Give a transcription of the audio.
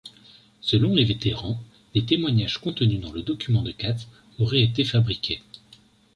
Selon les vétérans, les témoignages contenus dans le document de Katz auraient été fabriqués.